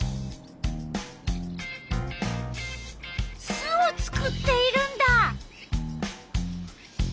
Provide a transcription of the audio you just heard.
巣を作っているんだ！